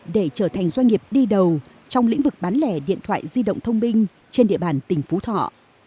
để trở thành doanh nghiệp đi đầu trong lĩnh vực bán lẻ điện thoại di động thông minh trên địa bàn tỉnh phú thọ